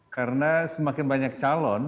karena semakin banyak calon